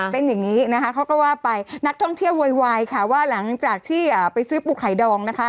อย่างนี้นะคะเขาก็ว่าไปนักท่องเที่ยวโวยวายค่ะว่าหลังจากที่ไปซื้อปูไข่ดองนะคะ